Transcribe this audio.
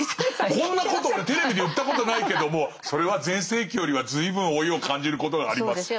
こんなこと俺テレビで言ったことないけどもそれは全盛期よりは随分老いを感じることがあります。